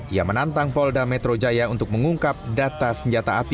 ia menantang polda metro jaya untuk mengungkap data senjata api